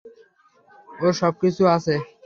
ওর সবকিছু আছে।